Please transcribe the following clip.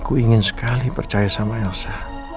aku ingin sekali percaya sama elsa